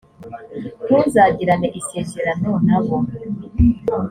ntuzagirane isezerano nabo .